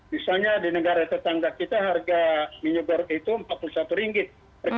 misalnya di negara tetangga kita harga minyak goreng itu rp empat puluh satu ringgit